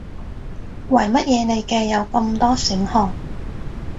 為乜嘢你嘅有咁多選項